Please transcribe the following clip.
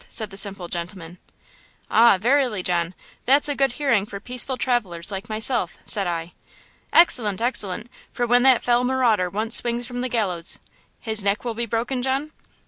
said the simple gentleman. "'Ah, verily, John, that's a good hearing for peaceful travelers like myself,' said I. "'Excellent! excellent! For when that fell marauder once swings from the gallows–' "'His neck will be broken, John?'